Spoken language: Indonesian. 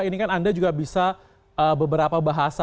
ini kan anda juga bisa beberapa bahasa